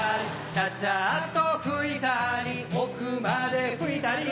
チャチャっと拭いたり奥まで拭いたり